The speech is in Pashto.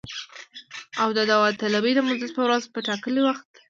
او د داوطلبۍ د مجلس په ورځ په ټاکلي وخت